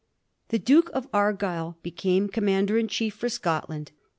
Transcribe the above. The Duke of Argyll became Commander in Chief for Scotland.